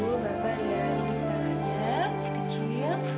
ibu bapak lihat ini tangannya si kecil